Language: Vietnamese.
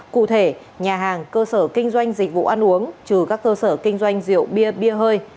cụ thể nhà hàng cơ sở kinh doanh dịch vụ ăn uống trừ các cơ sở kinh doanh rượu bia bia hơi